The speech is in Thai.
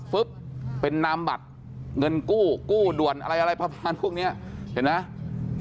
ฟึ๊บเป็นนำบัตรเงินกู้กู้ด่วนอะไรพระพาณพวกนี้เห็นไหม